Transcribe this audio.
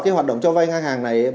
các đối tượng cho vay ngang hàng này